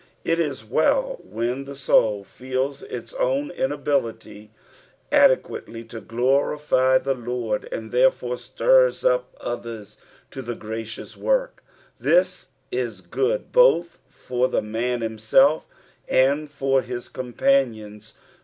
It is well when the soul feels its own inability adequately to glorify the Lord, and therefore stira up others to the gracious work ; this is good both for the man himself and for his companions.